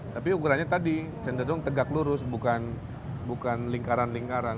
tapi ukurannya tadi cenderung tegak lurus bukan lingkaran lingkaran